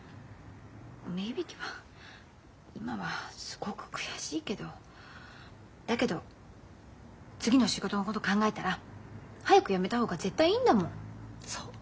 梅響は今はすごく悔しいけどだけど次の仕事のこと考えたら早くやめた方が絶対いいんだもん。